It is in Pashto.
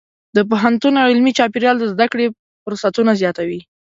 د پوهنتون علمي چاپېریال د زده کړې فرصتونه زیاتوي.